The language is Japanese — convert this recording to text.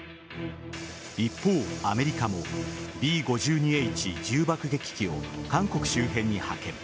一方、アメリカもＢ‐５２Ｈ重爆撃機を韓国周辺に派遣。